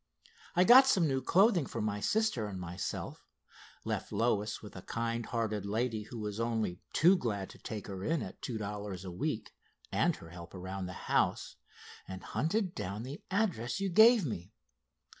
I got some new clothing for my sister and myself, left Lois with the kind hearted lady who was only too glad to take her in at two dollars a week, and her help around the house, and hunted down the address you gave me.